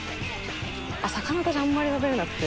魚私あんまり食べられなくて。